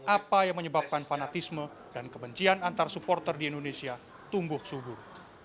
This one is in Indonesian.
apa yang menyebabkan fanatisme dan kebencian antar supporter di indonesia tumbuh subur